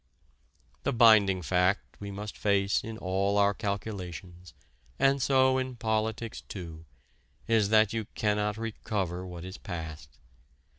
The binding fact we must face in all our calculations, and so in politics too, is that you cannot recover what is passed.